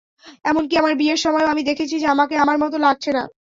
এমনকি আমার বিয়ের সময়ও আমি দেখেছি যে, আমাকে আমার মতো লাগছে না।